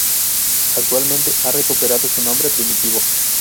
Actualmente ha recuperado su nombre primitivo.